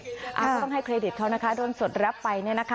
ก็ต้องให้เครดิตเขานะคะด้นสดแล้วไปเนี่ยนะคะ